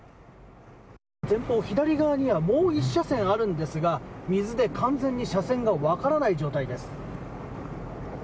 前方左側にはもう１車線あるんですが水で完全に車線が分からない状態です。